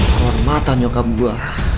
kehormatan nyokap gue